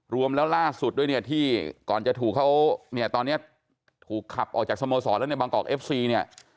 รวมแล้วล่าสุดด้วยเนี่ยที่ก่อนจะถูกเขาเนี่ยตอนนี้ถูกขับออกจากสโมสรแล้วในบางกอกเอฟซีเนี่ย